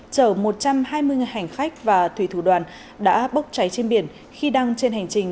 chở một trăm hai mươi hành khách và thủy thủ đoàn đã bốc cháy trên biển khi đăng trên hành trình